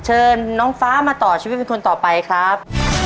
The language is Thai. เชิญน้องฟ้ามาต่อชีวิตเป็นคนต่อไปครับ